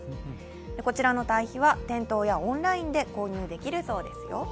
こちらの堆肥は店頭やオンラインで購入できるそうですよ。